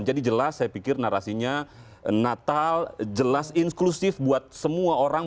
jadi jelas saya pikir narasinya natal jelas inklusif buat semua orang